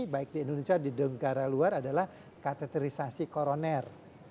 baik di indonesia di negara luar adalah katetralisasi koroner